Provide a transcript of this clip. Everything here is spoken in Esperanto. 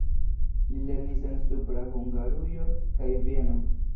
Li lernis en Supra Hungarujo kaj Vieno.